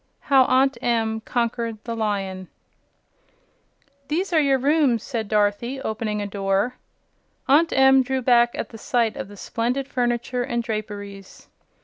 7. How Aunt Em Conquered the Lion "These are your rooms," said Dorothy, opening a door. Aunt Em drew back at the sight of the splendid furniture and draperies.